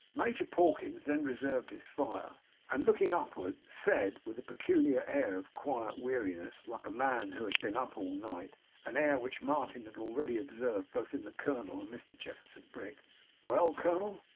Major Pawkins then reserved his fire, and looking upward, said, with a peculiar air of quiet weariness, like a man who had been up all night an air which Martin had already observed both in the colonel and Mr Jefferson Brick 'Well, colonel!